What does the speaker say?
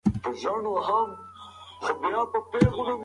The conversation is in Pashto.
دا خبره په ټوله سیمه کې خپره شوې ده.